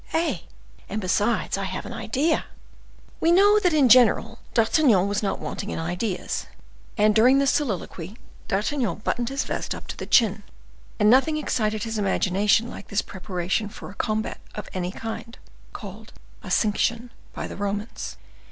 Eh? and besides I have an idea!" We know that, in general, D'Artagnan was not wanting in ideas; and during this soliloquy, D'Artagnan buttoned his vest up to the chin, and nothing excited his imagination like this preparation for a combat of any kind, called accinction by the Romans.